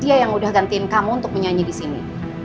dia yang udah gantiin kamu untuk menyanyi di sini